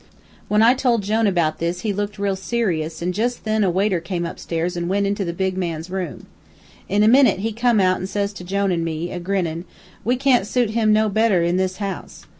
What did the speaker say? "When I told Jone about this he looked real serious, an' jus' then a waiter came upstairs an' went into the big man's room. In a minute he come out an' says to Jone an' me, a grinnin': "'We can't suit him no better in this house.'